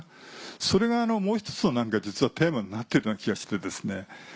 それがもう１つの実はテーマになっているような気がして。